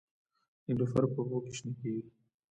نیلوفر په اوبو کې شنه کیږي